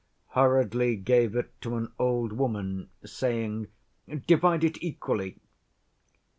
—hurriedly gave it to an old woman, saying: "Divide it equally."